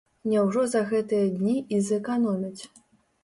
Няўжо за гэтыя дні і зэканомяць.